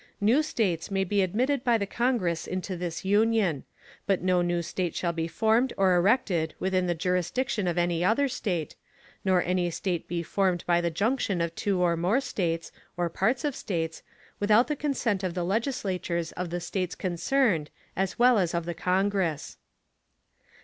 New States may be admitted by the Congress into this Union; but no new State shall be formed or erected within the Jurisdiction of any other State; nor any State be formed by the Junction of two or more States, or Parts of States, without the Consent of the Legislatures of the States concerned as well as of the Congress.